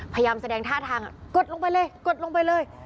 พยายามแสดงท่าทางกดลงไปเลยกดลงไปเลย